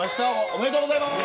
おめでとうございます。